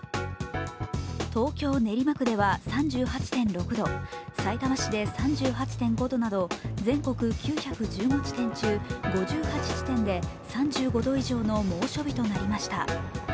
東京・練馬区では３８．６度、さいたま市で３８．５度など全国９１５地点中５８地点で３５度以上の猛暑日となりました。